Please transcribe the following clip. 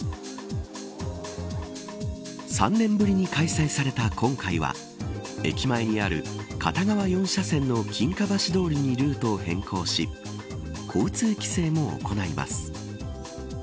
３年ぶりに開催された今回は駅前にある片側４車線の金華橋通りにルートを変更し交通規制も行います。